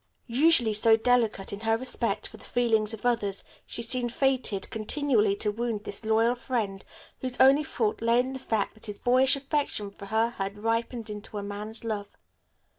Usually so delicate in her respect for the feelings of others, she seemed fated continually to wound this loyal friend, whose only fault lay in the fact that his boyish affection for her had ripened into a man's love.